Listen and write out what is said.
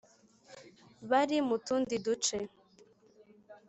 Bari mu tundi duce